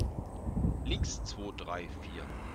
Links, zwo, drei, vier!